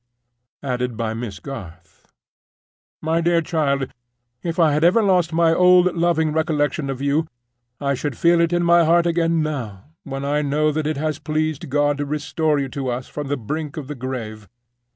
(Added by Miss Garth.) "MY DEAR CHILD, "If I had ever lost my old loving recollection of you, I should feel it in my heart again now, when I know that it has pleased God to restore you to us from the brink of the grave.